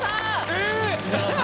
えっ？